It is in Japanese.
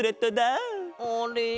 あれ？